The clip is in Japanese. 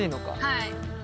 はい。